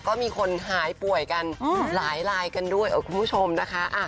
ก็มีคนหายป่วยกันหลายลายกันด้วยคุณผู้ชมนะคะ